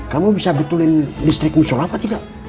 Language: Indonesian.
kamu bisa betulin listrik usul apa tidak